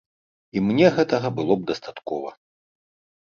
І мне гэтага было б дастаткова.